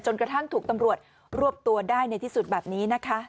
กระทั่งถูกตำรวจรวบตัวได้ในที่สุดแบบนี้นะคะ